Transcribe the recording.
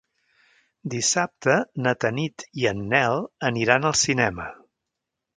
Dissabte na Tanit i en Nel aniran al cinema.